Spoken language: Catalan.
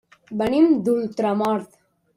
Venim d'Ultramort.